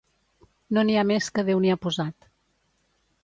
No n'hi ha més que Déu n'hi ha posat.